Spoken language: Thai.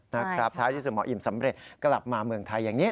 ท้ายที่สุดหมออิ่มสำเร็จกลับมาเมืองไทยอย่างนี้